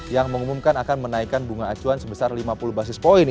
yang mengumumkan akan menaikkan bunga acuan sebesar lima puluh basis point